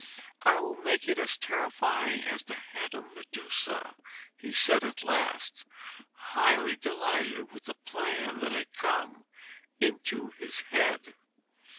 'I will make it as terrifying as the head of Medusa,' he said at last, highly delighted with the plan that had come into his head.